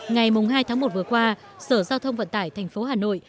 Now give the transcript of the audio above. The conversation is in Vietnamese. ngày mùng hai tháng một vừa qua sở giao thông vận tải tp hà nội